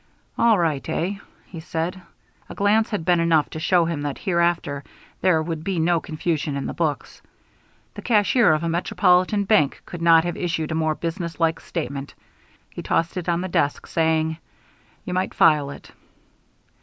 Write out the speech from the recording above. "All right, eh?" he said. A glance had been enough to show him that hereafter there would be no confusion in the books; the cashier of a metropolitan bank could not have issued a more businesslike statement. He tossed it on the desk, saying, "You might file it."